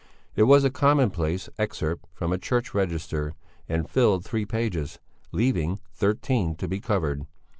It was a commonplace excerpt from a church register and filled three pages, leaving thirteen to be covered.